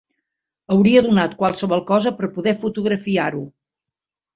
Hauria donat qualsevol cosa per poder fotografiar-ho.